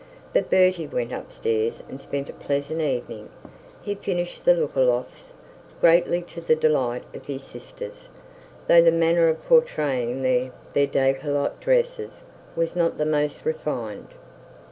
But Bertie went up stairs and spent a pleasant evening. He finished the Lookalofts, greatly to the delight of his sisters, though the manner of portraying their decollete dresses was not the most refined.